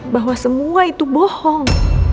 bahwa semua itu bohong